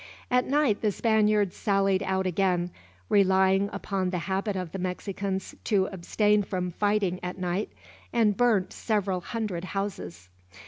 At night the Spaniards sallied out again, relying upon the habit of the Mexicans to abstain from fighting at night, and burnt several hundred houses.